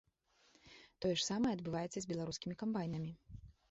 Тое ж самае адбываецца і з беларускімі камбайнамі.